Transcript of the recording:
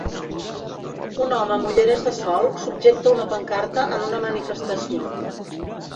Un home amb ulleres de sol subjecta una pancarta en una manifestació.